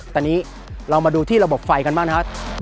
ตอนนี้ลองมาดูที่ระบบไฟกันบ้าง